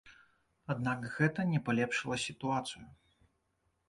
Аднак гэта не палепшыла сітуацыю.